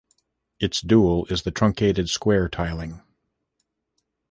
Its dual is the truncated square tiling.